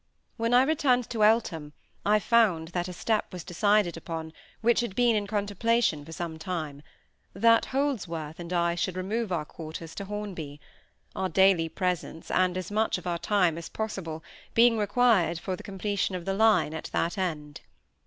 When I returned to Eltham, I found that a step was decided upon, which had been in contemplation for some time; that Holdsworth and I should remove our quarters to Hornby; our daily presence, and as much of our time as possible, being required for the completion of the line at that end.